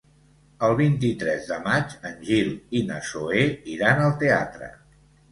El vint-i-tres de maig en Gil i na Zoè iran al teatre.